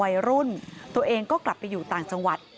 วัยรุ่นตัวเองก็กลับไปอยู่ต่างจังหวัด